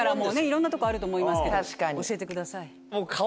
いろんなとこあると思いますけど教えてください。